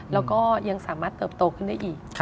แล้วก็ยังสามารถเติบโตขึ้นได้อีก